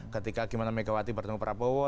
ketika gimana megawati bertemu prabowo